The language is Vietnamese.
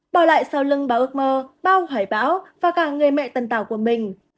bỏ lại sau lưng báo ước mơ bao hỏi báo và cả người mẹ tân tạo của mình